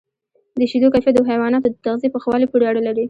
د شیدو کیفیت د حیواناتو د تغذیې په ښه والي پورې اړه لري.